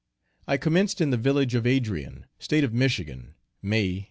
I commenced in the village of Adrian, State of Michigan, May, 1844.